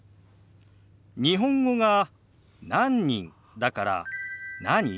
日本語が「何人」だから「何？」